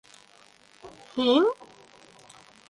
— Һин?..